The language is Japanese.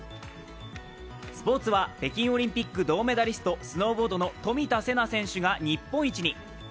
スポーツは北京オリンピック銅メダリスト、スノーボードの冨田せな選手が日本一に。